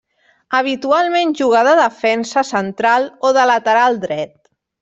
Habitualment juga de defensa central o de lateral dret.